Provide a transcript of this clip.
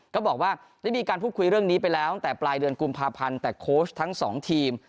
ก็บอกว่าได้มีการพูดคุยเรื่องนี้ไปแล้วตั้งแต่ปลายเดือนกุมภาพันธ์แต่โค้ชทั้งสองทีม